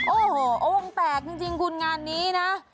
โอ้โหองค์แตกจริงคุณงานนี้นะ